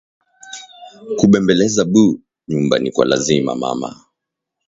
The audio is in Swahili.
Ku bembeleza bu nyumba ni kwa lazima mama